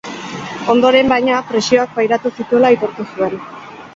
Ondoren, baina, presioak pairatu zituela aitortu zuen.